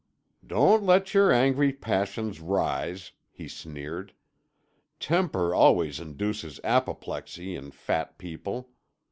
"Don't let your angry passions rise," he sneered. "Temper always induces apoplexy in fat people.